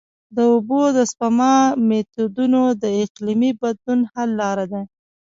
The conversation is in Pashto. د اوبو د سپما میتودونه د اقلیمي بدلون حل لاره ده.